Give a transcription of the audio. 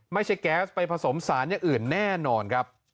แก๊สไปผสมสารอย่างอื่นแน่นอนครับ